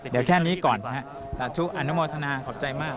เดี๋ยวแค่นี้ก่อนสาธุอนุโมทนาขอบใจมาก